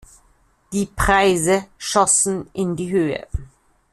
Die Preise schossen in die Höhe.